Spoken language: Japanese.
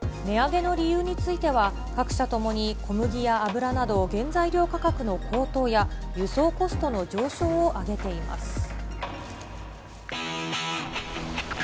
値上げの理由については、各社ともに小麦や油など、原材料価格の高騰や、輸送コストの上昇を上げています。